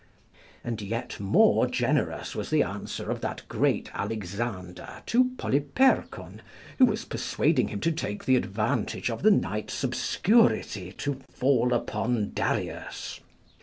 And yet more generous was the answer of that great Alexander to Polypercon who was persuading him to take the advantage of the night's obscurity to fall upon Darius.